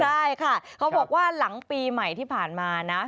ใช่ค่ะเขาบอกว่าหลังปีใหม่ที่ผ่านมานะ